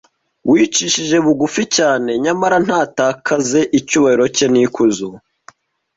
wicishije bugufi cyane nyamara ntatakaze icyubahiro cye n’ikuzo